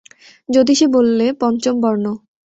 জ্যোতিষী বললে, পঞ্চম বর্ণ।